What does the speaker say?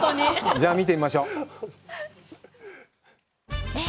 じゃあ、見てみましょう。